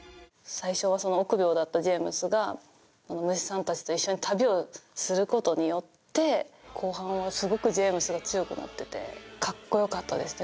最初は臆病だったジェームスが虫さん達と一緒に旅をすることによって後半はすごくジェームスが強くなっててかっこよかったですね